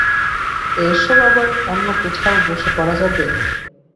এসব আবার অন্য কোথাও বসে করা যাবে?